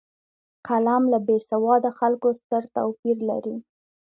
قلم له بېسواده خلکو ستر توپیر لري